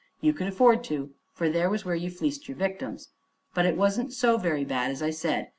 You could afford to, for there was where you fleeced your victims. But it wasn't so very bad, as I said.